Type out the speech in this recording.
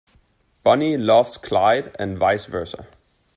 Bonnie loves Clyde and vice versa.